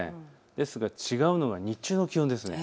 ですが違うのは日中の気温です。